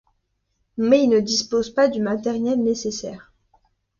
Mais il ne dispose pas du matériel nécessaire.